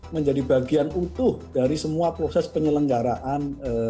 menjadi bagian utuh dari semua proses penyelenggaraan